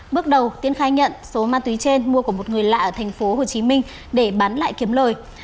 bước đầu tiên khai nhận số ma túy trên mua của một người lạ ở tp hcm để bán lại kiếm lời